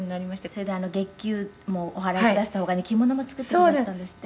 「それで月給もお払いくだすった他に着物も作ってくだすったんですって？」